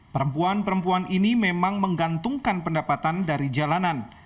perempuan perempuan ini memang menggantungkan pendapatan dari jalanan